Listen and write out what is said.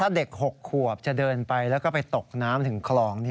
เด็ก๖ขวบจะเดินไปแล้วก็ไปตกน้ำถึงคลอง